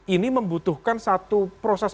ini membutuhkan satu proses